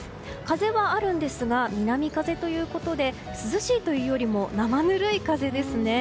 風はあるんですが南風ということで涼しいというよりも生ぬるい風ですね。